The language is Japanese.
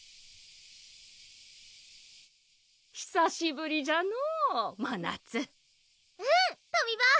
ひさしぶりじゃのまなつうんとみ婆